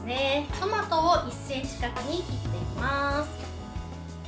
トマトを１ｃｍ角に切っていきます。